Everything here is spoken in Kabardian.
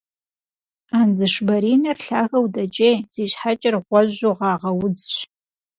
Андзышбаринэр лъагэу дэкӏей, зи щхьэкӏэр гъуэжьу гъагъэ удзщ.